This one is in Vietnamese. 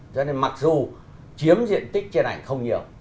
cho nên mặc dù chiếm diện tích trên ảnh không nhiều